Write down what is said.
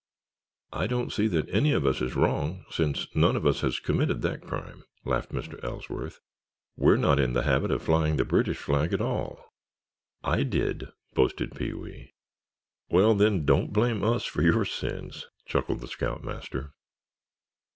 "I don't see that any of us is wrong since none of us has committed that crime," laughed Mr. Ellsworth. "We're not in the habit of flying the British flag at all." "I did," boasted Pee wee. "Well, then, don't blame us for your sins," chuckled the scoutmaster.